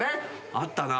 あったな。